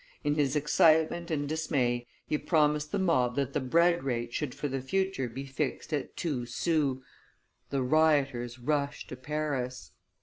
In his excitement and dismay he promised the mob that the bread rate should for the future be fixed at two sous; the rioters rushed to Paris.